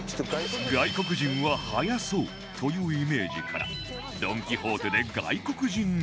外国人は速そうというイメージからドン・キホーテで外国人狙い